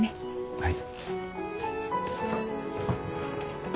はい。